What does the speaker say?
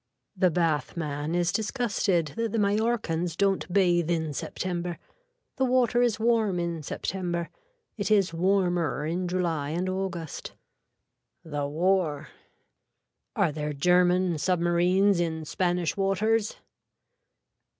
The bathman is disgusted that the Mallorcans don't bathe in September. The water is warm in September. It is warmer in July and August. (The War.) Are there German submarines in Spanish waters.